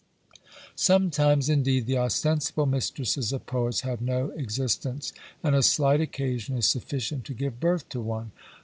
Sometimes, indeed, the ostensible mistresses of poets have no existence; and a slight occasion is sufficient to give birth to one.